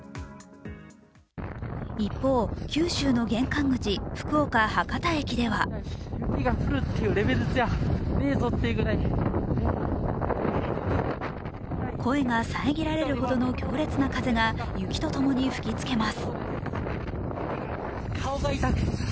一方、九州の玄関口、福岡・博多駅では声が遮られるほどの強烈な風が雪と共に吹きつけます。